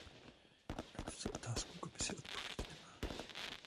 Na tuto otázku Komise odpověď nemá.